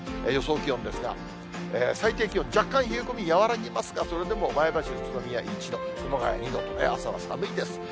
予想気温ですが、最低気温、若干、冷え込み和らぎますが、それでも前橋、宇都宮、１度、熊谷２度、朝は寒いです。